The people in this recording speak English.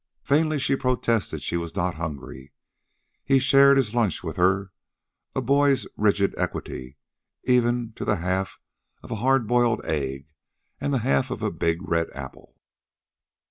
Vainly she protested she was not hungry. He shared his lunch with her with a boy's rigid equity, even to the half of a hard boiled egg and the half of a big red apple.